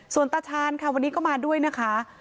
ส่วนตาชาญค่ะวันนี้ก็มาด้วยนะคะ